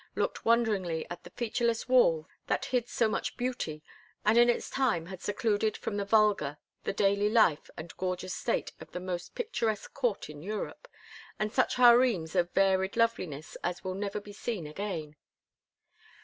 looked wonderingly at the featureless wall that hid so much beauty, and in its time had secluded from the vulgar the daily life and gorgeous state of the most picturesque court in Europe, and such harems of varied loveliness as never will be seen again.